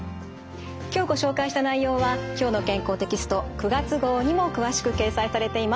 今日ご紹介した内容は「きょうの健康」テキスト９月号にも詳しく掲載されています。